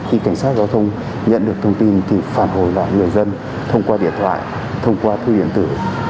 khi cảnh sát giao thông nhận được thông tin thì phản hồi lại người dân thông qua điện thoại thông qua thư điện tử